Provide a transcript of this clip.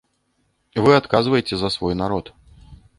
Вы адказваеце за свой народ.